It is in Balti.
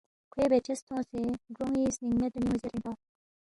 کھوئے بے چس تھونگسے گرونی سنینگ مید رے میونی زیربن پا،